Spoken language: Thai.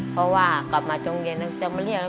เพราะว่ากลับมาจงเย็นนั้นจะมาเรียก